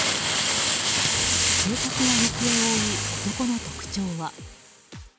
警察が行方を追う男の特徴は。